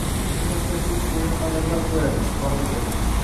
Bilmasdan suv quvurini majagʻlab qoʻyadi va hokazo.